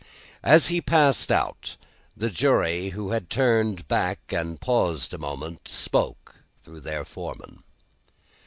As he passed out, the jury, who had turned back and paused a moment, spoke, through their foreman.